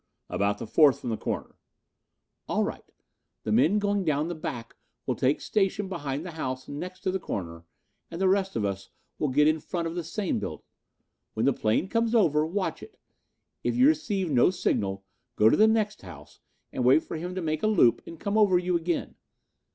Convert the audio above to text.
"About the fourth from the corner." "All right, the men going down the back will take station behind the house next to the corner and the rest of us will get in front of the same building. When the plane comes over, watch it. If you receive no signal, go to the next house and wait for him to make a loop and come over you again.